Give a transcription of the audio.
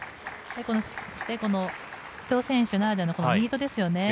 そして、伊藤選手ならではのミートですよね。